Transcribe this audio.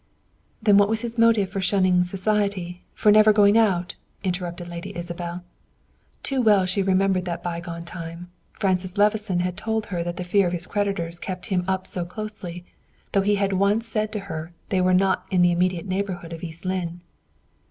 "Then what was his motive for shunning society for never going out?" interrupted Lady Isabel. Too well she remembered that bygone time; Francis Levison had told that the fear of his creditors kept him up so closely; though he had once said to her they were not in the immediate neighborhood of East Lynne.